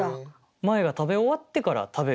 前が食べ終わってから食べるみたいな。